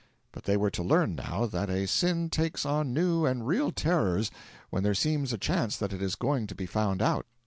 But they were to learn, now, that a sin takes on new and real terrors when there seems a chance that it is going to be found out.